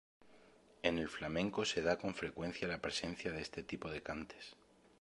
En el flamenco, se da con frecuencia la presencia de este tipo de cantes.